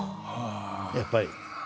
やっぱり。